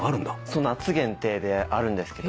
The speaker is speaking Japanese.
夏限定であるんですけど。